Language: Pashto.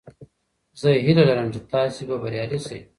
زه هیله لرم چې تاسې به بریالي شئ.